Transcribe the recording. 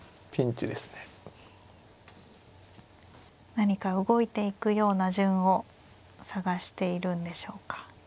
何か動いていくような順を探しているんでしょうか。